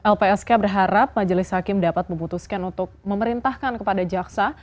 lpsk berharap majelis hakim dapat memutuskan untuk memerintahkan kepada jaksa